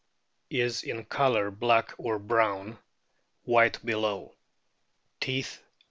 * is in, colour black or brown, white below. Teeth, 29 34.